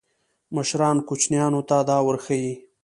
مشران کوچنیانو ته دا ورښيي.